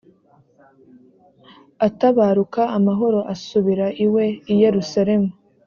atabaruka amahoro asubira iwe i yerusalemu